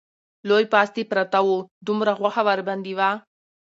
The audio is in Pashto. لوی پاستي پراته وو، دومره غوښه ورباندې وه